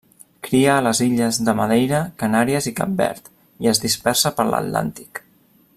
Cria a les illes de Madeira, Canàries i Cap Verd i es dispersa per l'Atlàntic.